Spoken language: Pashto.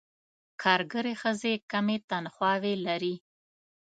کارګرې ښځې کمې تنخواوې لري.